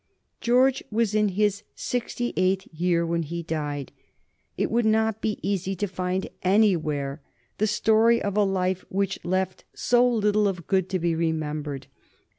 George was in his sixty eighth year when he died. It would not be easy to find anywhere the story of a life which left so little of good to be remembered.